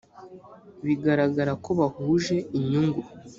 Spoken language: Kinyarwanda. bigaragara ko bahuje inyungu